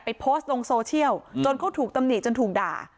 โพสต์ลงโซเชียลจนเขาถูกตำหนิจนถูกด่า